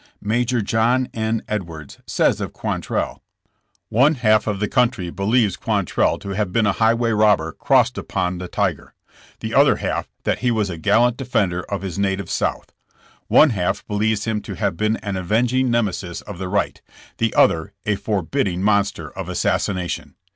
Major John N. Edwards says of Quantrell: *' One half of the country believes Quantrell to have been a highway robber crossed upon the tiger; the other half that he was the gallant defender of 26 JESSE JAMES. his native South; one half believes him to have been an avenging nemesis of the right; the other a forbidding monster of assassination.